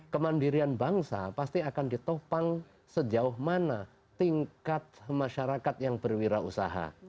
kemandirian bangsa pasti akan ditopang sejauh mana tingkat masyarakat yang berwirausaha